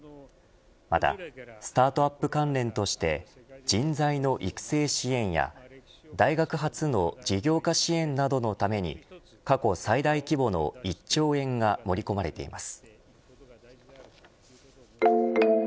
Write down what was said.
また、スタートアップ関連として人材の育成支援や大学発の事業化支援などのために過去最大規模の１兆円が盛り込まれています。